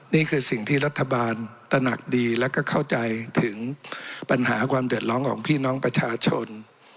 นี่คือสิ่งที่รัฐบาลตระหนักดีแล้วก็เข้าใจถึงปัญหาความเดือดร้อนของพี่น้องประชาชน